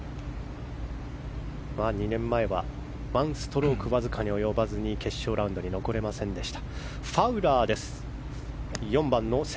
２年前は１ストロークわずかに及ばずに決勝ラウンドに残れませんでした。